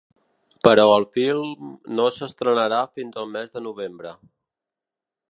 Però el film no s’estrenarà fins el mes de novembre.